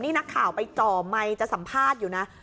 นี่นักข่าวไปจ่อไมค์จะสัมภาษณ์อยู่นะ